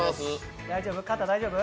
肩、大丈夫？